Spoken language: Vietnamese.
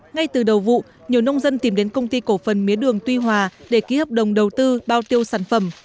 ngay từ đầu vụ nhiều nông dân tìm đến công ty cổ phần mía đường tuy hòa để ký hợp đồng đầu tư bao tiêu sản phẩm